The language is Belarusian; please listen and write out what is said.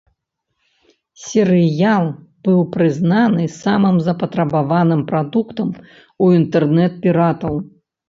Серыял быў прызнаны самым запатрабаваным прадуктам у інтэрнэт-піратаў.